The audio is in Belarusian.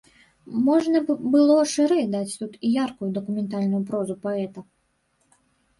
Можна б было шырэй даць тут і яркую дакументальную прозу паэта.